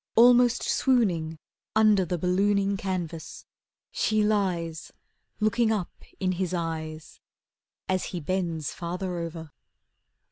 Almost swooning Under the ballooning canvas, She lies Looking up in his eyes As he bends farther over.